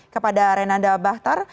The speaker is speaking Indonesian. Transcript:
kepada renanda bahtar